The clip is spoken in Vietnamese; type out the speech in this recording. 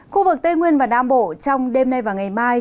khu vực tây nguyên và nam bộ trong đêm nay và ngày mai